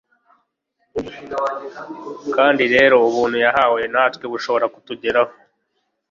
kandi rero ubuntu yahawe natwe bushobora kutugeraho.